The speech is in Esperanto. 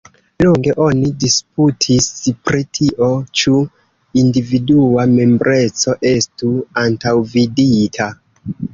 Longe oni disputis pri tio, ĉu individua membreco estu antaŭvidita.